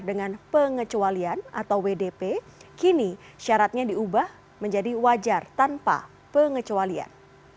dengan pengecualian atau wdp kini syaratnya diubah menjadi wajar tanpa pengecualian